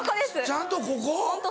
ちゃんとここ？